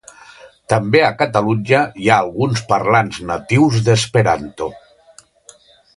També a Catalunya hi ha alguns parlants natius d'esperanto.